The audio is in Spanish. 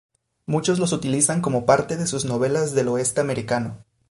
Muchos los utilizan como parte de sus novelas del oeste americano.